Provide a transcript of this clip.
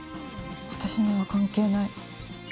私には関係ない。